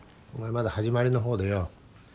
まだ始まりの方でよ